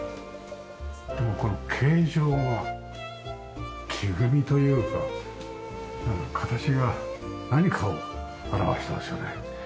この形状が木組みというかなんか形が何かを表してますよね。